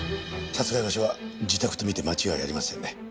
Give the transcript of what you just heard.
殺害場所は自宅と見て間違いありませんね。